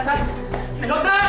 nenek udah sadar